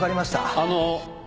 あの。